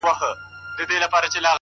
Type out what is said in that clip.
Però aquesta ja és una altra qüestió.